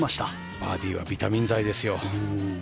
バーディーはビタミン剤ですよ。